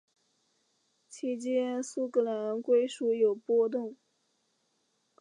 期间苏格兰归属有波动。